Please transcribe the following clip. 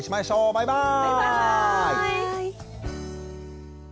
バイバーイ！